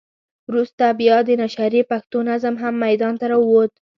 وروسته بیا د نشرې پښتو نظم هم ميدان ته راووت.